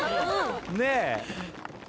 ねえ！